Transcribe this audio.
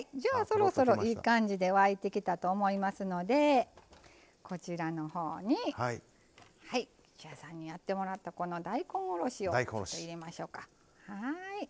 そろそろ、いい感じで沸いてきたと思いますのでこちらのほうに吉弥さんにやってもらった大根おろしを入れましょうか。